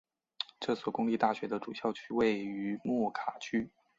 这所公立大学的主校园位于莫卡区。